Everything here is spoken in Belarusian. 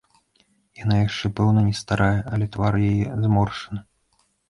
Яна яшчэ, пэўна, не старая, але твар яе зморшчаны.